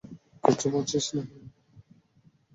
কিছু বলছিস না কেন?